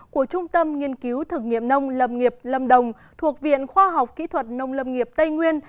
của trung tâm nghiên cứu thực nghiệm nông lâm nghiệp lâm đồng thuộc viện khoa học kỹ thuật nông lâm nghiệp tây nguyên